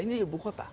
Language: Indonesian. ini ibu kota